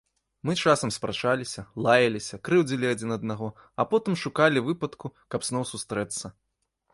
Мы часам спрачаліся, лаяліся, крыўдзілі адзін аднаго, а потым шукалі выпадку, каб зноў сустрэцца.